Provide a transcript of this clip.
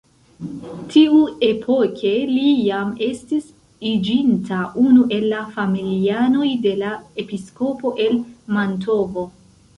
Tiuepoke li jam estis iĝinta unu el la familianoj de la episkopo el Mantovo.